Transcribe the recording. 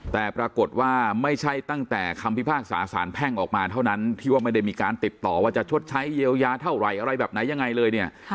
แต่ปรากฏว่าไม่ใช่ตั้งแต่คำพิพากษาสารแพ่งออกมาเท่านั้นที่ว่าไม่ได้มีการติดต่อว่าจะชดใช้เยียวยาเท่าไหร่อะไรแบบไหนยังไงเลยเนี่ย